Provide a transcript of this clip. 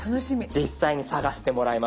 実際に探してもらいましょう。